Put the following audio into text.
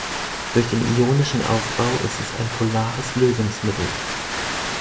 Durch den ionischen Aufbau ist es ein polares Lösungsmittel.